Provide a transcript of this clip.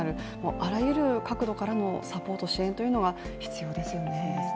あらゆる角度からのサポート・支援というのが必要ですよね。